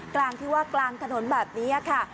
กลางที่ว่ากลางถนนแบบนี้ค่ะ